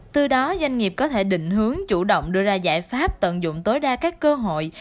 từ đó doanh nghiệp có thể định hướng chủ động đưa ra giải pháp tận dụng tối đa các cơ hội